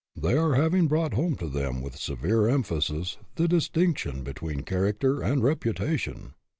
" They are having brought home to them, with severe emphasis, the distinction between character and reputation.